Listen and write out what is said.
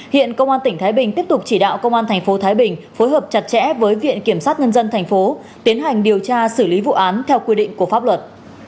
hiện công an tỉnh thái bình tiếp tục chỉ đạo công an tp thái bình phối hợp chặt chẽ với viện kiểm sát nhân dân tp tiến hành điều tra xử lý vụ án theo quy định của pháp luật